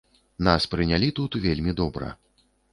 Нас прынялі тут вельмі добра.